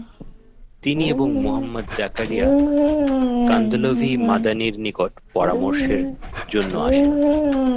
তিনি এবং মুহাম্মদ জাকারিয়া কান্ধলভি মাদানির নিকট পরামর্শের জন্য আসেন।